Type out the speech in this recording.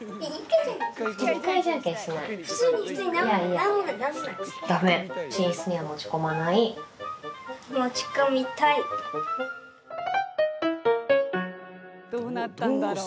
どうなったんだろう。